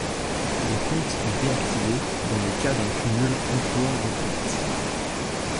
Le compte est réactivé dans le cas d’un cumul emploi-retraite.